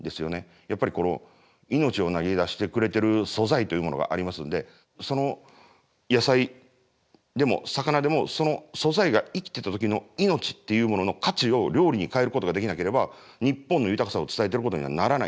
やっぱり命を投げ出してくれてる素材というものがありますんで野菜でも魚でもその素材が生きてた時の命っていうものの価値を料理に変えることができなければ日本の豊かさを伝えていることにはならない。